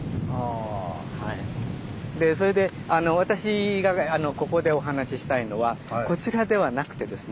それで私がここでお話ししたいのはこちらではなくてですね。